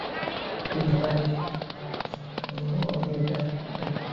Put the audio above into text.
তিনি কাজের সময়, খাওয়ার সময় ও এটা গাইতেন।